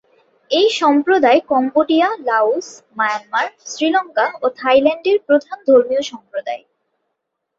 এই সম্প্রদায় Cambodia, Laos, Myanmar, Sri Lanka ও থাইল্যান্ডের প্রধান ধর্মীয় সম্প্রদায়।